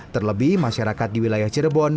terlebih masyarakat di wilayah cirebon